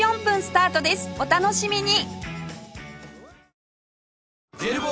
お楽しみに！